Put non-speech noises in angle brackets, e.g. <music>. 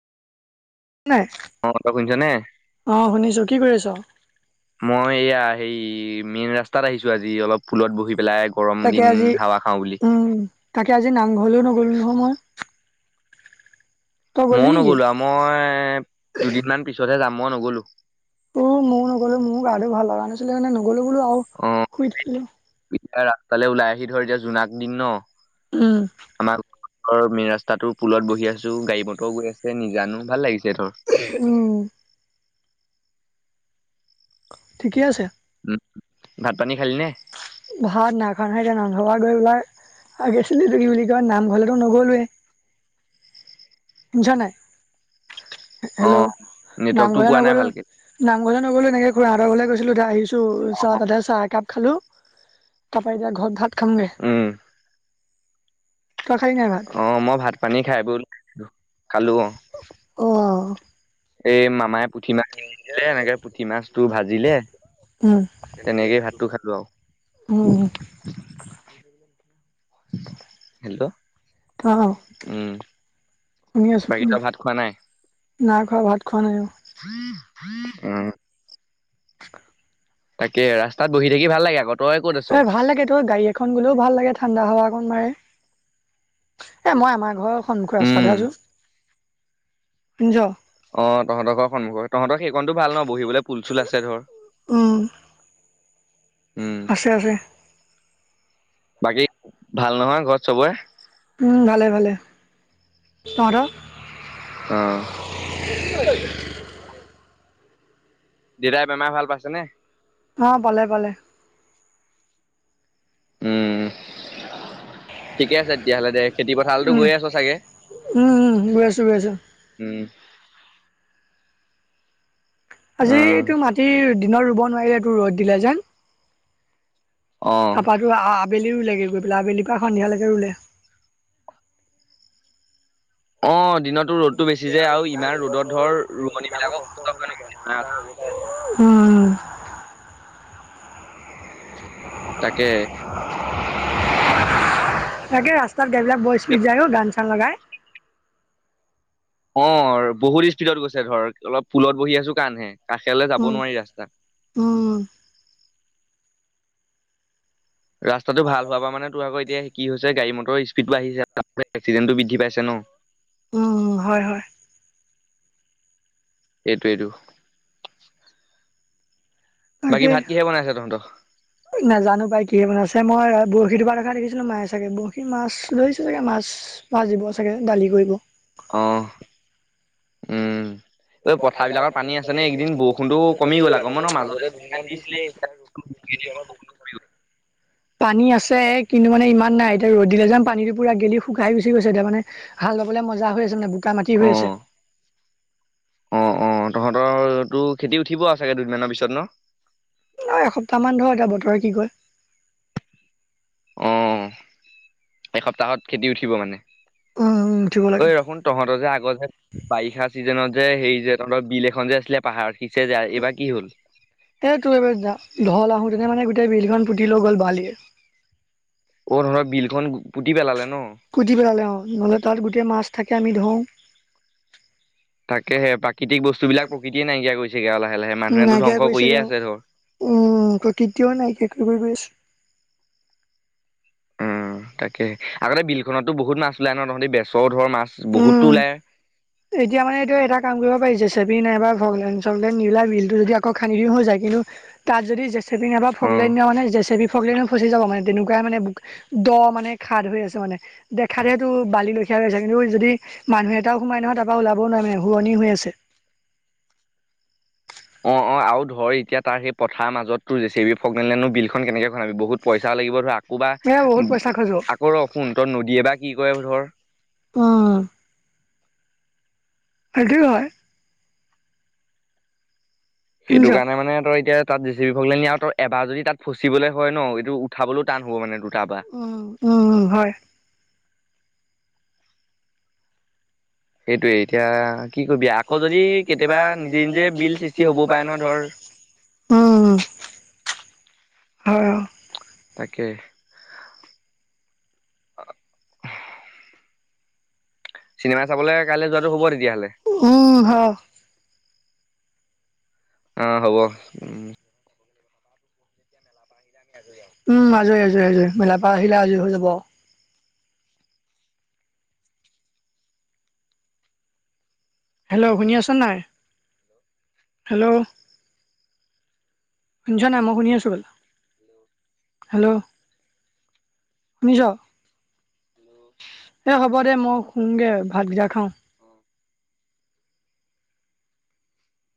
-নাই অ' তই শুনিছনে? অ', শুনিছো কি কৰি আছ। মই এয়া হেৰি মেইন ৰাস্তাত আহিছো আজি অলপ পুলত বহি পেলাই। গৰম তাকে দিন আজি হাৱা খাওঁ বুলি। উম তাকে আজি নামংঘলেও নগলো নহয় মই। তই গলি মইয়ো নেকি? নগ'লো আৰু মই কেইদিনমান পিছতহে যাম মই নগ'লো। ত ময়ো নগ'লো মোৰো গাটো ভাল লগা নাছিলে কাৰণে নগ'লো বোলো আৰু অ' শুই থাকিলো। এতিয়া ৰাস্তালে ওলাই আহি ধৰ এতিয়া জোনাক দিন ন উম। আমাৰ। ঘৰ মেইন ৰাস্তাটো পুলত বহি আছো গাড়ী মটৰ গৈ আছে নিজানো ভাল লাগিছে ধৰ। উম। ঠিকে আছে। উ ভাত পানী খালি নে। ভাত নাইখুৱা নহয় এতিয়া নামঘপা গৈ পেলাই আগেছিলটো কি বুলি কয় নামঘৰলেতো নগ'লোৱেই। শুনিছ নাই হেল্ল' অ' নেটৱৰ্কটো নামঘলে পোৱা নাই নগ'লো। ভালকে। নামঘৰ নগ'লো এনেকে খুৰাঁহতৰ ঘৰলে গৈছিলো এতিয়া আহিছো চাহ তাতে চাহ একাপ খালো তাৰ পা এতিয়া ঘৰত ভাত খাম গে। উম, অ মই ভাত পানী খাই বৈ খালো অ। অ এই মামাই পুঠি মাছ কিনিলে এনেকে পুঠি মাছটো ভাজিলে উম তেনেকেই ভাতটো খালো আৰু। উম হেল্ল' অ উম শুনি আছো বাকী শুনি তই ভাত আছো খোৱা নাই? নাই খোৱা ভাত খোৱা নাই অ উম তাকে ৰাস্তাত বহি থাকি ভাল লাগে আকৌ। তই ক'ত আছ এ ভাল লাগে তো গাড়ী খন গ'লেও ভাল লাগে ঠাণ্ডা হাৱা অকন মাৰে এ মই আমাৰ ঘৰৰ সন্মুখৰ উম ৰাস্তাতে আছো শুনিছ। অ তহঁতৰ ঘৰৰ সন্মুখত তহতৰ সেইকণো ভাল ন বহিবলৈ পুল চুল আছে ধৰ। উম উম আছে আছে বাকী ভাল নহয় ঘৰত চবৰে? উম ভালে ভালে। তহঁতৰ? অ দেতাই বেমাৰ ভাল পাইছে নে? অ পালে পালে। উম ঠিকে আছে তেতিয়াহ'লে দে। খেতি পথাৰতো উম গৈয়ে আছ চাগে উম উম গৈ আছো গৈ আছো। উম উম আজিটো মাটি দিনত ৰুব নোৱাৰিলে টো ৰ'দ দিলে যে। অ তাৰপা টো আ আবেলি ৰুলেগৈ আবেলি পৰা সন্ধিয়ালৈ ৰুলে। অ দিনতো ৰ'দটো বেছি যায় আৰু ইমান ৰ'দত ধৰ ৰোৱনী বিলাকক অসুস্থ কৰে <inaudible> কিবা এটা উম উম। তাকে। তাকে ৰাস্তাত গাড়ীবিলাক বৰ স্পীড যায় ও গান চান লগাই। অ বহুত স্পীডত গৈছে ধৰ অলপ পুলত বহি আছো কাৰণেহে কাষেলৈ যাব উম নোৱাৰি ৰাস্তা। উম ৰাস্তাটো ভাল হোৱাৰ পৰা মানে তোৰ আকৌ এতিয়া কি হৈছে গাড়ী মটৰ স্পীডটো আহিছে এস্কিণ্ডেটো বৃদ্ধি পাইছে ন। উম হয় হয়। এইটোৱেটো। বাকী তাকে ভাত কিহে বনাইছা তহঁতৰ। নাজানো পাই কিহে বনাইছে মই বৰশী টোপা দেখা দেখিছিলোঁ মাই চাগে বৰশী মাছ ধৰিছে চাগে মাছ। ভাজিব চাগে দালি কৰিব। অ উম ঐ এই পথাৰাবলাকৰ পথাৰবিলাকত পানী আছে আপুনি নে একদিন এইকেইদিন বৰষুণটো বৰষুণো কমি গ'ল আকৌ ন মই মাজতে দুহিন মমান দিছিলে এতিয়া আৰু <unintelligible> হ <inaudible> পানী আছে কিন্তু মানে ইমান নাই এতিয়া ৰ'দ দিলে যে পানীত পুৰা গেলি শুকাই গুচি গৈছে এতিয়া মানে। হাল ল'বলৈ মজা হৈ আছে মানে বোকা মাটি অ হৈ আছে। অ', অ', তহঁতৰ তটো খেতি উঠিব আৰু চাগে দুদিনমানৰ পিছত ন। নয় এসপ্তাহমান ধৰ এতিয়া বতৰে কি কয়। অ', এসপ্তাহত খেতি উঠিব মানে উম উঠিব ঐ লাগে ৰখোন। তহঁতৰ যে আগৰ যে বাৰিষা চিজনত যে হেৰি যে তহঁতৰ বিল এখন যে আছিলে। পাহাৰৰ <unintelligible> যায় এইবাৰ কি হ'ল। এই তোৰ এই ঢল <unintelligible> আহোতে নে মানে গোটেই বিলখন পুতি লৈ গ'ল বালিয়ে। অ', তহঁতৰ বিলখন পুতি পেলালে ন। পুতি পেলালে অ', নহ'লে তাত গোটেই মাছ থাকে আমি ধৰো। তাকে সে প্ৰাকৃতিক বস্তুবিলাক প্ৰকৃতিয়ে নাইকিয়া কৰিছেগে আৰু লাহে লাহে মানুহেতো ধ্বংস কৰিয়ে আছে ধৰ। উ কেতিয়াও নাইকিয়া কৰি কৰি গৈ আছোঁ। উম তাকে আগতে বিলখনতো বহুত মাছ ওলাই ন তহঁতি বেচও ধৰ মাছ বহুতো উম ওলায় এতিয়া মানে এইটো এটা কাম কৰিব পাৰিছে চেপি নাইবা চ <unintelligible> নিউলা বিলটো যদি আকৌ খান্দিও হৈ যায় কিন্তু তাত যদি জেচেপি নবা ফগলাই অ'। নিওঁ মানে জেচেপি ফগলাই নিও ফচি যাব মানে তেনেকুৱাই মানে দ' মানে খাদ ধুই আছে মানে দেখাতহ তটো বালি লখিয়া গৈ আছে কিন্তু যদি মানুহ এটাও সোমাই নহয় তাৰপৰা ওলাবও নোৱাৰে শুৱনি হৈ আছে। <inaudible> অ', অ', আৰু ধৰ এতিয়া তাৰ সেই পথাৰ মাজতো যে বি ফগমেনলেনো বিলখনন কেনেকে খনাবি বহুত পইচাও লাগিব ধৰা ক'বা এ বহুত পইচা খৰচ হ'ব আকৌ ৰ শুন ত নদীয়ে বা কি কৰে ধৰ অ'। সেইটো হয়। সেইটো শুনিছ কাৰণে মানে তই এতিয়া তাত ৰেচিপি ভলে নি আৰু তই এবাৰ যদি তাত ফচিবলৈ হয় ন এইটো উঠাবলৈও টান হ'ব মানে দুটাৰ পৰা উম, উম হয় সেইটোৱে এতিয়া কি কবি আকৌ যদি কেতিয়াবা নিজে, নিজে বিল সৃষ্টি হ'ব পাৰে নহ ধৰ উম। হয়। তাকে। অ'। চিনেমা চাবলৈ কাইলৈ যোৱাটো হ'ব তেতিয়াহ'লে উম ভাল। অ', হ'ব উম। উম আজৰি, আজৰি আজৰি মেলাপা আহিলে আজৰি হৈ যাব। হেল্ল' শুনি আছ নাই হেল্ল'। শুনিছ নাই মই শুনি আছোঁ, বল হেল্ল'। শুনিছ। এই হ'ব দে মই শুমগৈ ভাত গিতা খাওঁ।